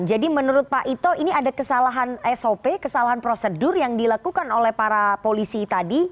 jadi menurut pak ito ini ada kesalahan sop kesalahan prosedur yang dilakukan oleh para polisi tadi